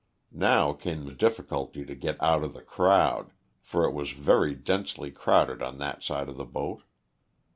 Now came the difficulty to get out of the crowd, for it was very densely crowded on that side of the boat.